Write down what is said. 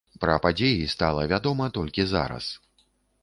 Пра падзеі стала вядома толькі зараз.